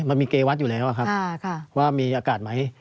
มันมีเกวัตอยู่แล้วครับว่ามีอากาศไหม